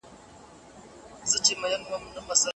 تر مرګه مي په برخه دي کلونه د هجران